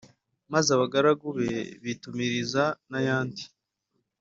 Maze abagaragu be bitumiriza n ayandi